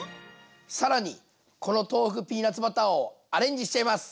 更にこの豆腐ピーナツバターをアレンジしちゃいます！